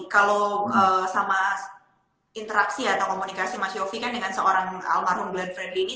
kalau sama interaksi atau komunikasi mas yofi kan dengan seorang almarhum glenn fredly ini